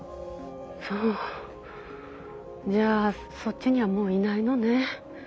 そうじゃあそっちにはもういないのね。